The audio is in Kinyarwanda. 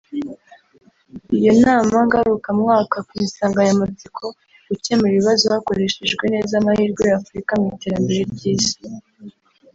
Iyo nama ngarukamwaka ku insanganyamtsiko ‘Gukemura ibibazo hakoreshejwe neza amahirwe y’Afurika mu iterambere ry’isi’